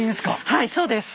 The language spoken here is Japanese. はいそうです。